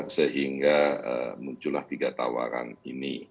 sehingga muncullah tiga tawaran ini